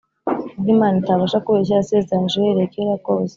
ubwo Imana itabasha kubeshya yasezeranije uhereye kera kose.